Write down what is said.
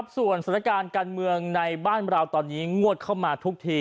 ส่วนสถานการณ์การเมืองในบ้านเราตอนนี้งวดเข้ามาทุกที